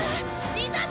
いたぞ！